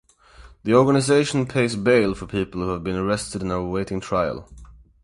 The organization pays bail for people who have been arrested and are awaiting trial.